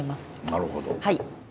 なるほど。